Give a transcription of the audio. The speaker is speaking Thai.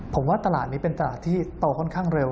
ผมว่าตลาดนี้เป็นตลาดที่โตค่อนข้างเร็ว